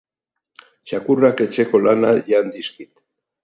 Txakurrak etxeko lanak jan dizkit